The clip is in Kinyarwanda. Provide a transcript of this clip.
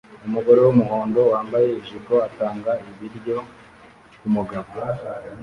Umugore wumuhondo wambaye ijipo atanga ibiryo kumugabo